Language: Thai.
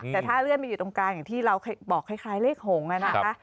แต่ถ้าเลื่อนมันอยู่ตรงกลางอย่างที่เราบอกคล้ายเลขหงษ์นะคะ